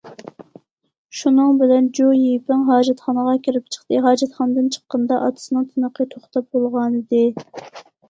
شۇنىڭ بىلەن جۇ يىپىڭ ھاجەتخانىغا كىرىپ چىقتى، ھاجەتخانىدىن چىققىنىدا ئاتىسىنىڭ تىنىقى توختاپ بولغانىدى.